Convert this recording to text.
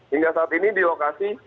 hingga saat ini di lokasi